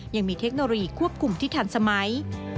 เทคโนโลยีควบคุมที่ทันสมัย